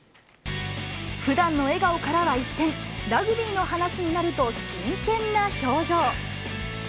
ふだんの笑顔からは一転、ラグビーの話になると、真剣な表情。